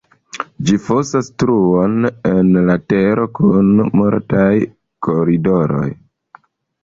Ĝi fosas truojn en la tero kun multaj koridoroj.